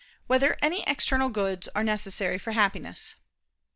7] Whether Any External Goods Are Necessary for Happiness?